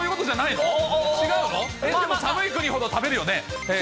でも寒い国ほど食べるよね？